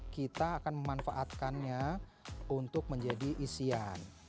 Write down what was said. kita akan memanfaatkannya untuk menjadi isian